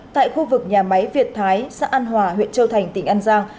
tại khu vực nhà máy việt thái xã an hòa huyện châu thành tỉnh an giang